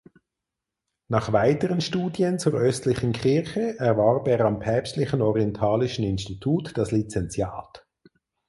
Nach weiteren Studien zur östlichen Kirche erwarb er am Päpstlichen Orientalischen Institut das Lizenziat.